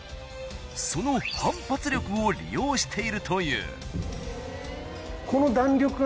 その反発力を利用しているという。